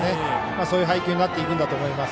そういう配球になっていくんだと思います。